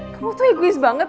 kamu tuh egois banget